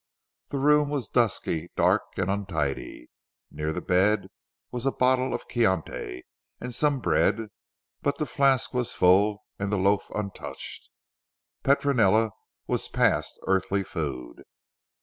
The room was dusty, dark and untidy. Near the bed was a bottle of Chianti and some bread, but the flask was full and the loaf untouched. Petronella was past earthly food.